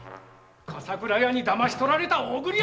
笠倉屋にだまし取られた大栗山だ。